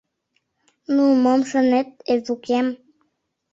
Ну, мом шонет, Эвукем?